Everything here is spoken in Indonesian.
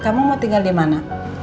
kamu mau tinggal dimana